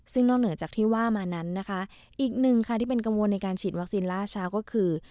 ซึ่งนอกเหนือจากที่ว่ามานั้นนะคะอีกหนึ่งค่ะที่เป็นกังวลในการฉีดวัคซีนล่าช้าก็คือ